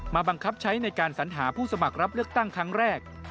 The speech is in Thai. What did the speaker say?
บังคับใช้ในการสัญหาผู้สมัครรับเลือกตั้งครั้งแรก